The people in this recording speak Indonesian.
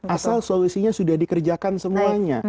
asal solusinya sudah dikerjakan semuanya